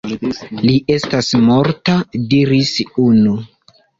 Li estas morta, diris unu.